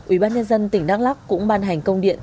ubnd tỉnh đắk lắc cũng ban hành công điện